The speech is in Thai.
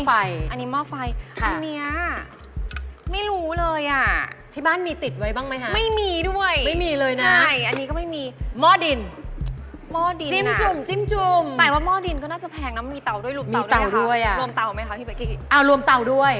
อันนั้นเป็นหม้อหุงข้าวไฟฟ้าหม้อหุงข้าว